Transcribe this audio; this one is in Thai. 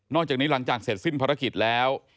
จากนี้หลังจากเสร็จสิ้นภารกิจแล้ว